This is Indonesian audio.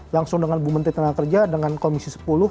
langsung dengan bumt tenaga kerja dengan komisi sepuluh